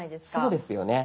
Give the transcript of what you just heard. そうですよね。